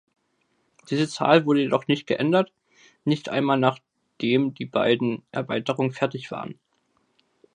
Diese Zahl wurde jedoch nicht geändert, nicht einmal, nachdem die beiden Erweiterungen fertig waren.